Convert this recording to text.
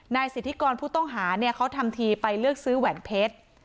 สิทธิกรผู้ต้องหาเนี่ยเขาทำทีไปเลือกซื้อแหวนเพชร